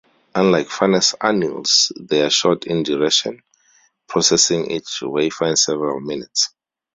Unlike furnace anneals they are short in duration, processing each wafer in several minutes.